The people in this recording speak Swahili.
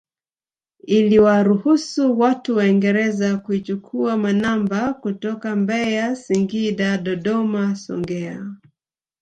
Iliwaruhusu watu waingereza kuichukua manamba kutoka Mbeya Singida Dodoma Songea